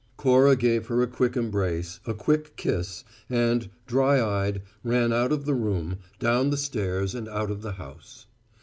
Cora gave her a quick embrace, a quick kiss, and, dry eyed, ran out of the room, down the stairs, and out of the house.